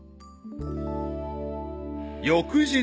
［翌日］